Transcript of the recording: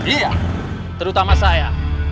iya terutama saya